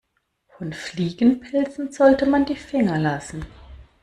Von Fliegenpilzen sollte man die Finger lassen.